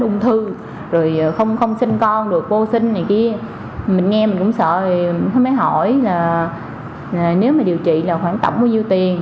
mình nghe mình cũng sợ mới hỏi là nếu mà điều trị là khoảng tổng bao nhiêu tiền